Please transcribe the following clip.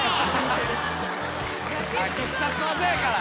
必殺技やから。